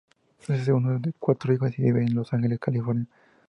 Es el segundo de cuatro hijos y vive en Los Ángeles, California.